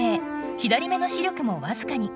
左目の視力もわずかに。